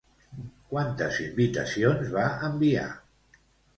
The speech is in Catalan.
Quantes invitacions va enviar?